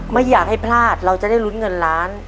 ไม่อยากให้พลาดเราจะได้ลุ้นเงินล้าน